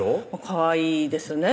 かわいいですね